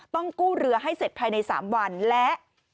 ต้องกู้เรือให้เสร็จภายใน๓วันและ